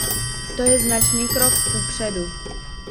To je značný krok kupředu.